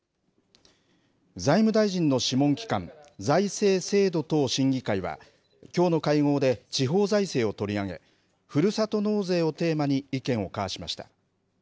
財務大臣の諮問機関、財政制度等審議会は、きょうの会合で、地方財政を取り上げ、ふるさと納税をテーマに意見を交わしました。